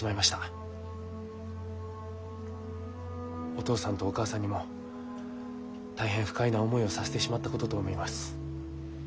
お義父さんとお義母さんにも大変不快な思いをさせてしまったことと思います。